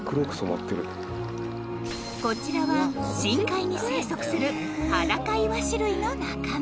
こちらは深海に生息する「ハダカイワシ類の仲間」